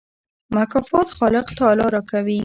مکافات خالق تعالی راکوي.